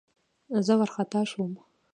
زه وارخطا شوم.